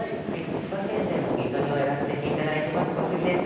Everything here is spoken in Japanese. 千葉県でもぎ取りをやらせていただいています、小杉です。